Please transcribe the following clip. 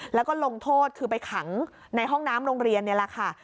แล้วก็ลงโทษคือไปขังในห้องน้ำโรงเรียนนี่แหละค่ะ